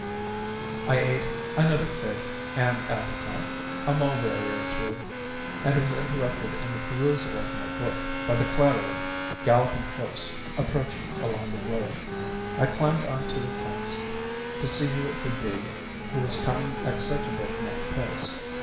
I ate another fig and apricot, a mulberry or two, and was interrupted in the perusal of my book by the clatter of galloping hoofs approaching along the road. I climbed on to the fence to see who it could be who was coming at such a breakneck pace.